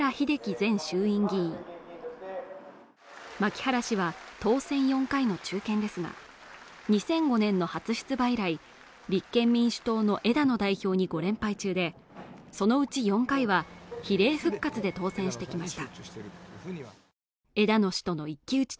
前衆院議員牧原氏は当選４回の中堅ですが２００５年の初出馬以来立憲民主党の枝野代表に５連敗中でそのうち４回は比例復活で当選してきました